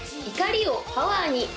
「怒りをパワーに！